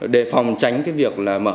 để phòng tránh việc mở